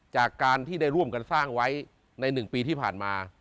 จากการที่ได้ร่วมกันสร้างไว้ใน๑ปีที่ผ่านมา